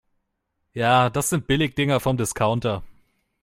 Ja, das sind Billigdinger vom Discounter.